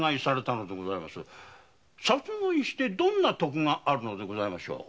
殺害してどんな得があるのでございましょう？